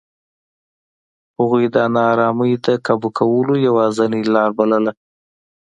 هغوی د نارامۍ د کابو کولو یوازینۍ لار بلله.